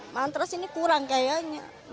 mantras ini kurang kayaknya